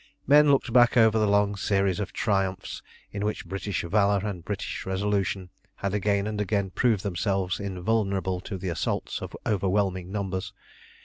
Men looked back over the long series of triumphs in which British valour and British resolution had again and again proved themselves invulnerable to the assaults of overwhelming numbers.